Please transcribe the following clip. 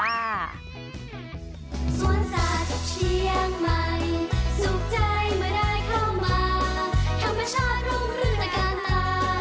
ส่งใจเมื่อใดเข้ามาเข้าไปช้าลงจัดกรรม